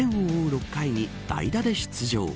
６回に代打で出場。